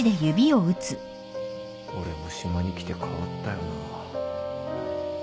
俺も島に来て変わったよな。